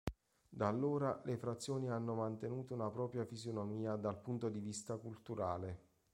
Da allora le frazioni hanno mantenuto una propria fisionomia dal punto di vista culturale.